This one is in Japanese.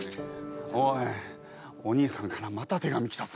「おいおにいさんからまた手紙来たぞ」。